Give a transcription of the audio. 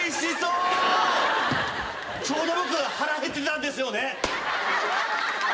ちょうど僕腹減ってたんですよね。